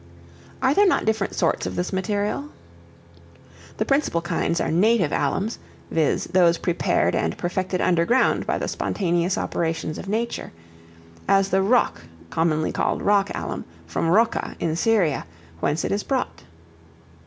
Are there not different sorts of this material? The principal kinds are native alums: viz. those prepared and perfected underground by the spontaneous operations of nature; as the roch, commonly called rock alum, from Rocha, in Syria, whence it is brought.